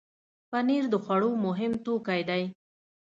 پنېر د خوړو مهم توکی دی.